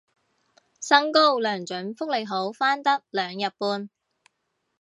薪高糧準福利好返得兩日半